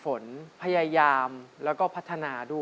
กลับมาฟังเพลง